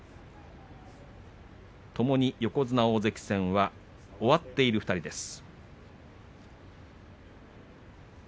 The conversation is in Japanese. ともに横綱、大関戦は終わっている２人です。